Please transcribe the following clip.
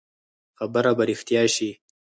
خبره به رښتيا شي.